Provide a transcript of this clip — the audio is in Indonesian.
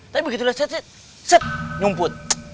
tapi begitu set set set nyumput